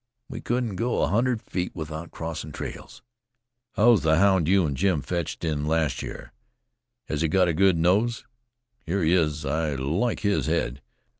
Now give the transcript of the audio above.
We couldn't go a hundred feet without crossin' trails." "How's the hound you and Jim fetched in las' year? Has he got a good nose? Here he is I like his head.